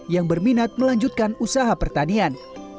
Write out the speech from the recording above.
yang berminat melanjutkan usaha pertanian